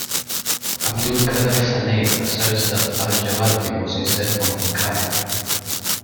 Abdulkader Saleh asserts that Al-Jabarti was instead born in Cairo.